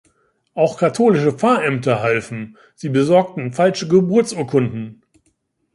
Auch katholische Pfarrämter halfen: Sie besorgten falsche Geburtsurkunden.